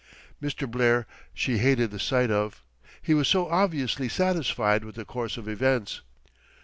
Mr. Blair she hated the sight of, he was so obviously satisfied with the course of events.